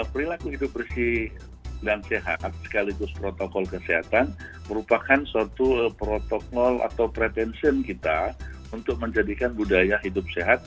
perilaku hidup bersih dan sehat sekaligus protokol kesehatan merupakan suatu protokol atau pretension kita untuk menjadikan budaya hidup sehat